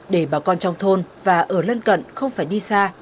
để bà con trong thôn và ở lân cận không phải đi xa